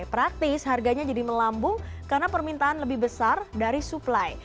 praktis harganya jadi melambung karena permintaan lebih besar dari suplai